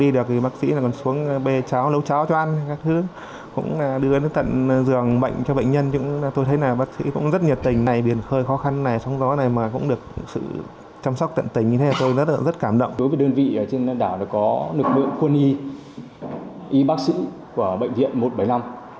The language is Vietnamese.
đối với đơn vị trên đảo có lực lượng quân y y bác sĩ của bệnh viện một trăm bảy mươi năm